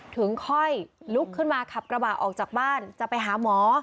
ถึงค่อยลุกขึ้นมาขับกระบะออกจากบ้านจะไปหาหมอ